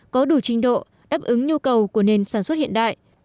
có đủ trình độ đáp ứng nhu cầu của nền sản xuất hiện đại